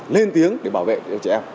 lên tiếng để bảo vệ trẻ em